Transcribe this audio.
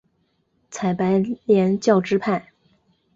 采白莲教支派。